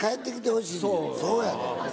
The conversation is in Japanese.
そうやで。